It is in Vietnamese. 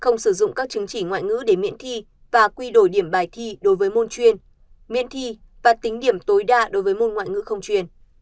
không sử dụng các chứng chỉ ngoại ngữ để miễn thi và quy đổi điểm bài thi đối với môn chuyên miễn thi và tính điểm tối đa đối với môn ngoại ngữ không truyền